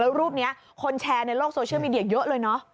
แล้วรูปนี้คนแชร์ในโลกโซเชียลมีเดียเยอะเลยเนอะ